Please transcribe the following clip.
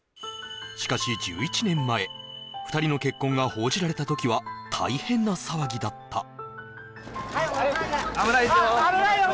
しかし１１年前２人の結婚が報じられた時は大変な騒ぎだった・危ないですよ・